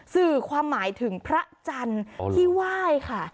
สื่อความหมายถึงพระจันทร์ที่ไหว้ค่ะ